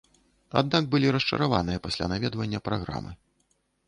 Аднак былі расчараваныя пасля наведвання праграмы.